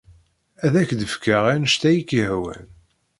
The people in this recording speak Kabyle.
Ad ak-d-fkeɣ anect ay ak-yehwan.